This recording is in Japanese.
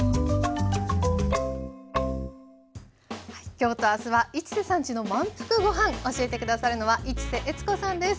今日と明日は「市瀬さんちの満腹ごはん」教えて下さるのは市瀬悦子さんです。